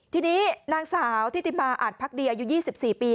ทีนี้นางสาวทิติมาอาจพักดีอายุ๒๔ปี